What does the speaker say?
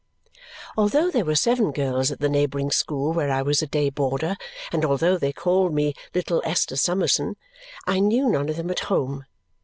Although there were seven girls at the neighbouring school where I was a day boarder, and although they called me little Esther Summerson, I knew none of them at home.